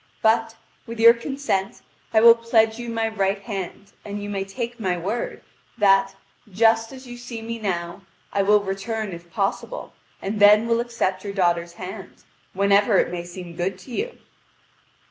But, with your consent, I will pledge you my right hand, and you may take my word, that, just as you see me now, I will return if possible, and then will accept your daughter's hand, whenever it may seem good ro you."